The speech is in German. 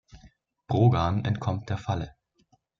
Brogan entkommt der Falle.